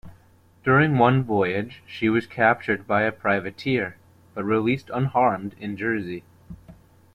During one voyage she was captured by a privateer, but released unharmed in Jersey.